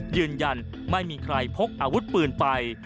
ยืนยันไม่มีใครพกอาวุธปืนไป